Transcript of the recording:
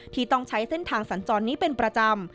ที่ต้องใช้เส้นทางสัญจรนี้เป็นประจำ